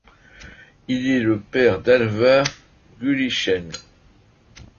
Il est le père d'Alvar Gullichsen.